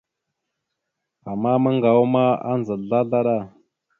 Ama maŋgawa ma andza slaslaɗa.